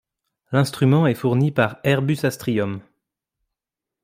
L'instrument est fourni par Airbus Astrium.